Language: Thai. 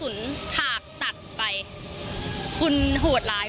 ดีกว่าจะได้ตัวคนร้าย